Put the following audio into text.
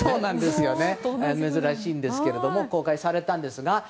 珍しいんですけれども公開されたんですが。